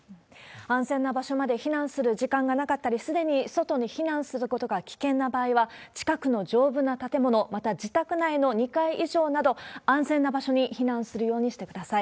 安全な場所まで避難する時間がなかったり、すでに外に避難することが危険な場合は、近くの丈夫な建物、また自宅内の２階以上など、安全な場所に避難するようにしてください。